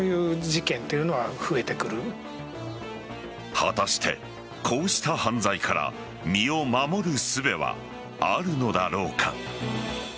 果たしてこうした犯罪から身を守るすべはあるのだろうか。